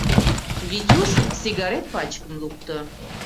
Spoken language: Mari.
Витюш сигарет пачкым лукто.